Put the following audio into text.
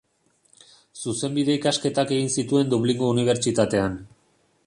Zuzenbide-ikasketak egin zituen Dublingo Unibertsitatean.